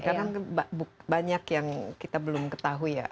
karena banyak yang kita belum ketahui ya